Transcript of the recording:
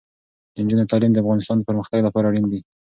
د نجونو تعلیم د افغانستان پرمختګ لپاره اړین دی.